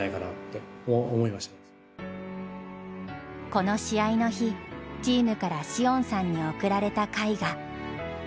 この試合の日チームから詩音さんに贈られた絵画。